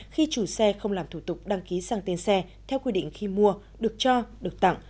khi chủ xe không làm thủ tục đăng ký sang tên xe theo quy định khi mua được cho được tặng